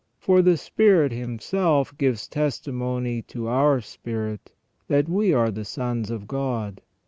For the Spirit Himself gives testimony to our spirit, that we are the sons of God.